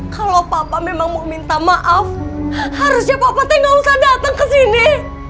kalau papa memang mau minta maaf harusnya papa tak usah datang ke sini